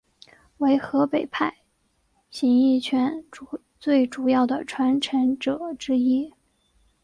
为河北派形意拳最主要的传承者之一。